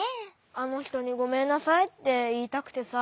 あのひとにごめんなさいっていいたくてさ。